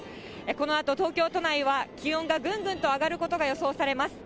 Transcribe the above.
このあと、東京都内は気温がぐんぐんと上がることが予想されます。